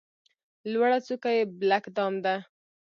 لوړه څوکه یې بلک دام ده.